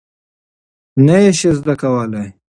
نه یې شې زده کولی؟